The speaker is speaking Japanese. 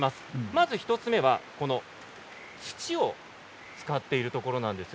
まず１つ目は土を使っているということです。